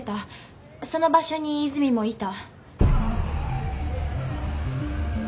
その場所に泉もいた。